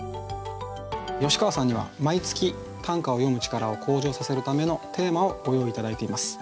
吉川さんには毎月短歌を詠む力を向上させるためのテーマをご用意頂いています。